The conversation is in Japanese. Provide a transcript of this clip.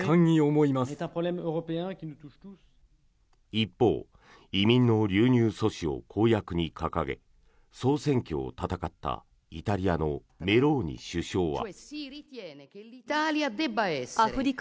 一方、移民の流入阻止を公約に掲げ総選挙を戦ったイタリアのメローニ首相は。